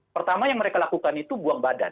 pertama yang mereka lakukan adalah membuat kepentingan